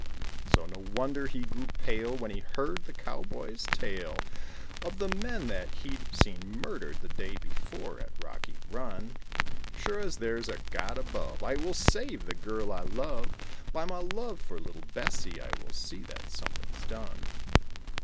So no wonder he grew pale When he heard the cowboy's tale Of the men that he'd seen murdered the day before at Rocky Run. "Sure as there's a God above, I will save the girl I love; By my love for little Bessie I will see that something's done."